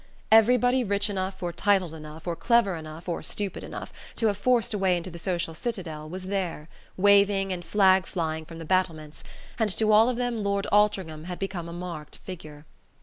Everybody rich enough or titled enough, or clever enough or stupid enough, to have forced a way into the social citadel, was there, waving and flag flying from the battlements; and to all of them Lord Altringham had become a marked figure.